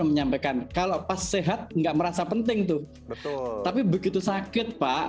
menyampaikan kalau pas sehat nggak merasa penting tuh betul tapi begitu sakit pak